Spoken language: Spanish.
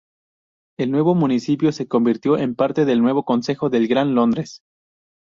El nuevo municipio se convirtió en parte del nuevo Consejo del Gran Londres.